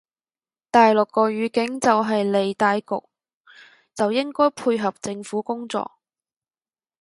大陸個語境就係理大局就應該配合政府工作